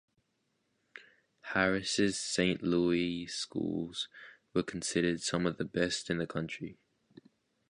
Harris's Saint Louis Schools were considered some of the best in the country.